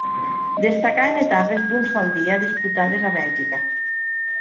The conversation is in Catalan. Destacà en etapes d'un sol dia disputades a Bèlgica.